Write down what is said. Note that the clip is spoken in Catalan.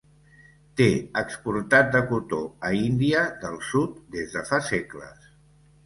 Té exportat de cotó a Índia del sud des de fa segles.